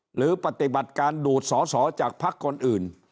หรือปฏิบัติการดูดสอสอจากพักคนอื่น